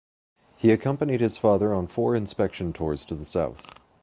He accompanied his father on four inspection tours to the south.